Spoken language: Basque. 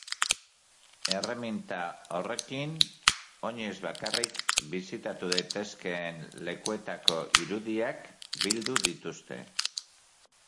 Erreminta horrekin oinez bakarrik bisitatu daitezkeen lekuetako irudiak bildu dituzte.